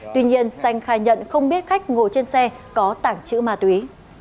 tuy nhiên xanh khai nhận không biết khách ngồi trên xe có tảng chữ ma túy